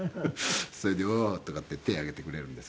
それで「おう」とかって手上げてくれるんですけど。